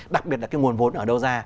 đặc biệt là cái nguồn vốn ở đâu ra